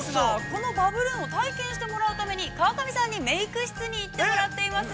このバブルーンを体験してもらうために、川上さんにメーク室に行ってもらっています。